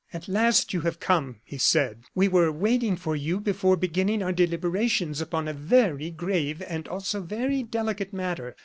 "At last you have come," he said; "we were waiting for you before beginning our deliberations upon a very grave, and also very delicate matter.